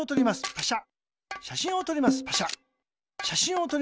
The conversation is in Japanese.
パシャ。